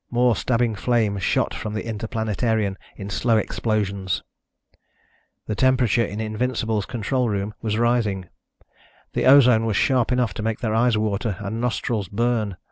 More stabbing flame shot from the Interplanetarian in slow explosions. The temperature in the Invincible's control room was rising. The ozone was sharp enough to make their eyes water and nostrils burn.